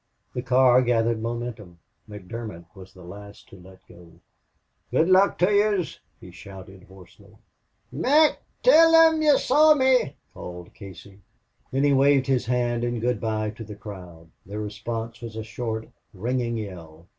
The car gathered momentum. McDermott was the last to let go. "Good luck to yez!" he shouted, hoarsely. "Mac, tell thim yez saw me!" called Casey. Then he waved his hand in good by to the crowd. Their response was a short, ringing yell.